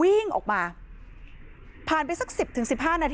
มีชายแปลกหน้า๓คนผ่านมาทำทีเป็นช่วยค่างทาง